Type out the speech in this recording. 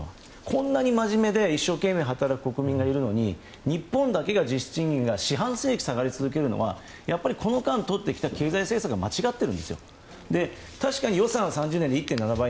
こんなにまじめで一生懸命働く国民がいるのに日本だけが実質賃金が四半世紀下がり続けるのはやはり、この間とってきた経済政策が間違っているんですよ。